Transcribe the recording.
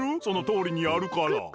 そのとおりにやるから。